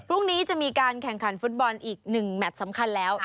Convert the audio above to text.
พรุ่งนี้จะมีการแข่งขันฟุตบอลอีก๑แมทสำคัญแล้ว